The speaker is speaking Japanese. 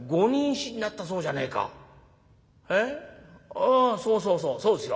ああそうそうそうそうですよ。